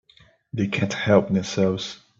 They can't help themselves.